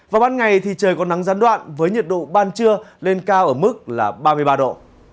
vào ban ngày thì trời có nắng gián đoạn với nhiệt độ ban trưa lên cao ở mức là ba mươi ba độ